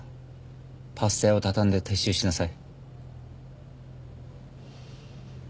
パスタ屋をたたんで撤収しなさい。